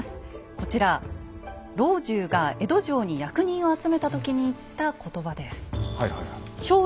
こちら老中が江戸城に役人を集めた時に言った言葉です。